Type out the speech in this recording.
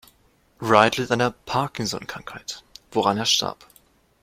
Wright litt an der Parkinson-Krankheit, woran er starb.